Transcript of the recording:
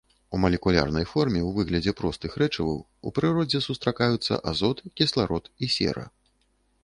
У малекулярнай форме ў выглядзе простых рэчываў у прыродзе сустракаюцца азот, кісларод і сера.